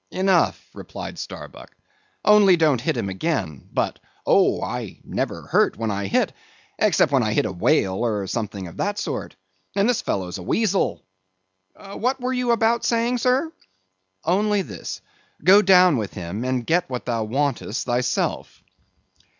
"Enough," replied Starbuck, "only don't hit him again, but—" "Oh, I never hurt when I hit, except when I hit a whale or something of that sort; and this fellow's a weazel. What were you about saying, sir?" "Only this: go down with him, and get what thou wantest thyself."